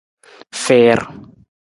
Fiir.